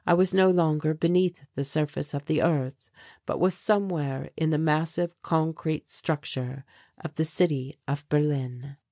I was no longer beneath the surface of the earth but was somewhere in the massive concrete structure of the City of Berlin.